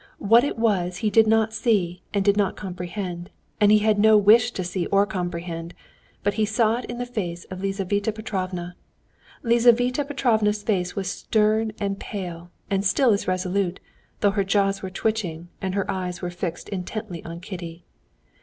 What it was he did not see and did not comprehend, and he had no wish to see or comprehend. But he saw it by the face of Lizaveta Petrovna. Lizaveta Petrovna's face was stern and pale, and still as resolute, though her jaws were twitching, and her eyes were fixed intently on Kitty.